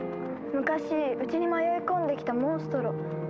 昔うちに迷い込んできたモンストロ。